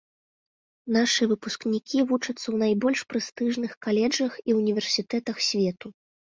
Нашы выпускнікі вучацца ў найбольш прэстыжных каледжах і ўніверсітэтах свету.